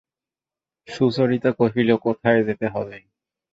সুচরিতা কহিল, কোথায় যেতে হবে?